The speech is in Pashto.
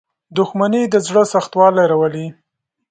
• دښمني د زړه سختوالی راولي.